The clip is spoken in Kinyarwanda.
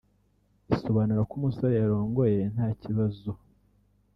isobanura ko umusore yarongoye nta kibazo